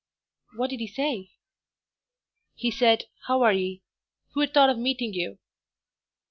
"What did he say?" "He said, 'How are ye?... Who'd thought of meeting you!'"